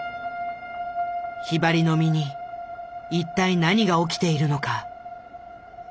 ひばりの身に一体何が起きているのか？